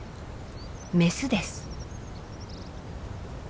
メスです。